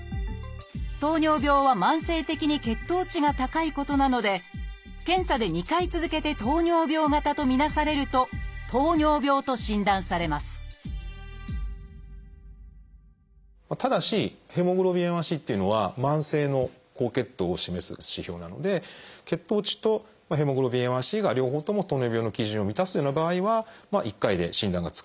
糖尿病は慢性的に血糖値が高いことなので検査で２回続けて糖尿病型と見なされると「糖尿病」と診断されますただしＨｂＡ１ｃっていうのは慢性の高血糖を示す指標なので血糖値とＨｂＡ１ｃが両方とも糖尿病の基準を満たすような場合は１回で診断がつくような場合もあります。